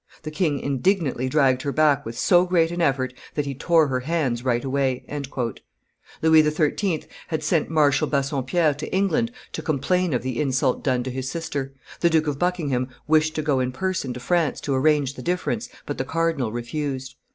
The king indignantly dragged her back with so great an effort that he tore her hands right away." Louis XIII. had sent Marshal Bassompierre to England to complain of the insult done to his sister; the Duke of Buckingham wished to go in person to France to arrange the difference, but the cardinal refused.